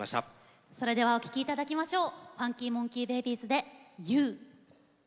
それではお聴きいただきましょう。